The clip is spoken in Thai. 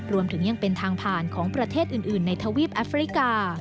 รวมถึงยังเป็นทางผ่านของประเทศอื่นในทวีปแอฟริกา